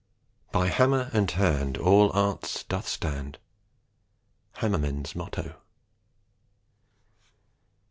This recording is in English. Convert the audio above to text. "By Hammer and Hand All Arts doth stand." Hammermen's Motto.